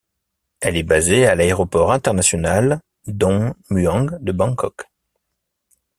Elle est basée à l'Aéroport international Don Muang de Bangkok.